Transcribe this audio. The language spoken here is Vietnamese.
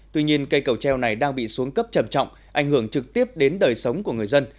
tuy nhiên cây cầu treo này đang bị xuống cấp trầm trọng ảnh hưởng trực tiếp đến đời sống của người dân